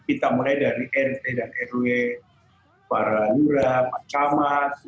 kita mulai dari rt dan rw para lurah macam mas